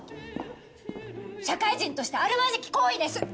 社会人としてあるまじき行為です！